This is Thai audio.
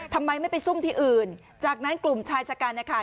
ทำไมไม่ไปซุ่มที่อื่นจากนั้นกลุ่มชายชะกันนะคะ